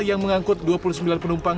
yang mengangkut dua puluh sembilan penumpang